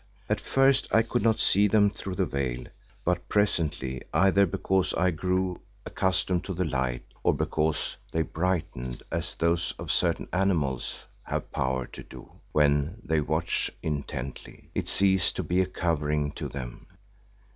At first I could not see them through the veil, but presently either because I grew accustomed to the light, or because they brightened as those of certain animals have power to do when they watch intently, it ceased to be a covering to them.